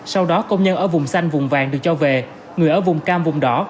sau đó công nhân ở vùng xanh vùng vàng được cho về người ở vùng cam vùng đỏ